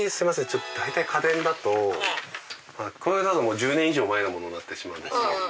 ちょっと大体家電だとこれだと１０年以上前のものになってしまうんですね。